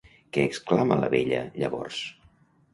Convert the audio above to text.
Què exclama la vella, llavors?